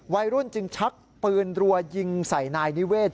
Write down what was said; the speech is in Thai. วัยรุ่นจึงชักปืนรัวยิงใส่นายนิเวศ